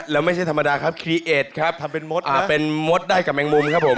แล้วไม่ใช่ธรรมดาครับคีย์เอสครับทำเป็นมดเป็นมดได้กับแมงมุมครับผม